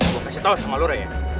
gue kasih tau sama lu rey